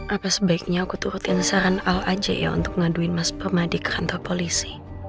apa sebaiknya aku turutin saran al aja ya untuk ngaduin mas permadi ke kantor polisi